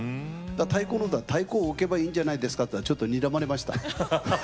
太鼓なら太鼓を置けばいいんじゃないですかと言ったらちょっとにらまれました。